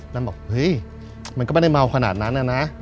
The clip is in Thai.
บอกเฮ้ยมันก็ไม่ได้เมาขนาดนั้นนะ